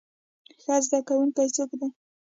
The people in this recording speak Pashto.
ښه زده کوونکی څوک دی؟